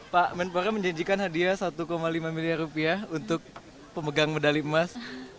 pak menpora menjanjikan hadiah satu lima miliar rupiah untuk pemegang medali emas